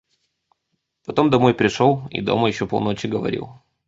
Потом домой пришел и дома еще полночи говорил!